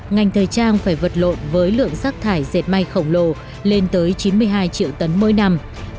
ngành thời trang phải vật lộn với lượng rác thải dệt may khổng lồ lên tới chín mươi hai triệu tấn mỗi năm